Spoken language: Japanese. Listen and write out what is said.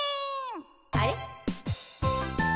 あれ？